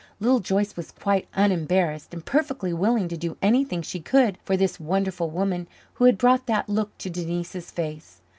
Little Joyce was quite unembarrassed and perfectly willing to do anything she could for this wonderful woman who had brought that look to Denise's face.